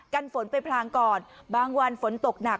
ฝนไปพลางก่อนบางวันฝนตกหนัก